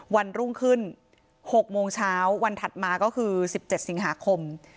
วันรุ่งขึ้น๖โมงเช้าวันถัดมาก็คือ๑๗สิงหาคม